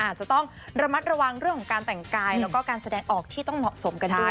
อาจจะต้องระมัดระวังเรื่องของการแต่งกายแล้วก็การแสดงออกที่ต้องเหมาะสมกันด้วย